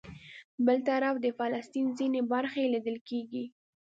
بل طرف د فلسطین ځینې برخې لیدل کېږي.